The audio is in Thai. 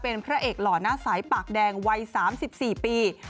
เป็นพระเอกหล่อหน้าใสปากแดงวัย๓๔ปี